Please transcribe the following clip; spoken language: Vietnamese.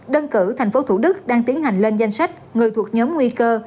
đơn cử thành phố thủ đức đang tiến hành lên danh sách người thuộc nhóm nguy cơ